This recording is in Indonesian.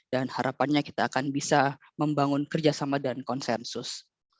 dan harapannya kita akan bisa membangun kerjasama dan konsensus